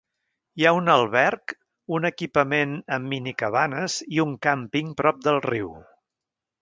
Hi ha un alberg, un equipament amb minicabanes i un càmping prop del riu.